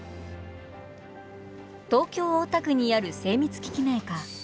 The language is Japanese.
東京・大田区にある精密機器メーカー。